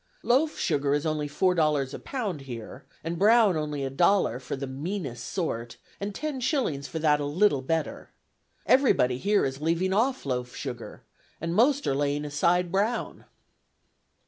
Loaf sugar is only four dollars a pound here, and brown only a dollar for the meanest sort, and ten shillings for that a little better. Everybody here is leaving off loaf sugar, and most are laying aside brown."